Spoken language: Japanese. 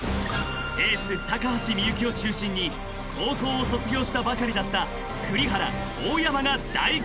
［エース高橋みゆきを中心に高校を卒業したばかりだった栗原大山が大活躍］